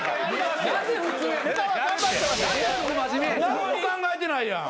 何も考えてないやん。